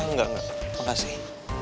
enggak enggak makasih